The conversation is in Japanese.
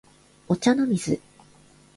お茶の水